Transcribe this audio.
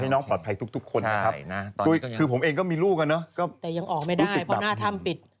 น้องปลอดภัยทุกคนนะครับคือผมเองก็มีลูกอ่ะเนอะก็แต่ยังออกไม่ได้เพราะหน้าถ้ำปิด